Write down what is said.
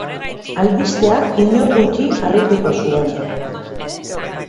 Albisteak inor guti harrituko zuen.